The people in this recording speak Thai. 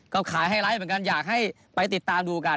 ก็ขายไฮไลท์เหมือนกันอยากให้ไปติดตามดูกัน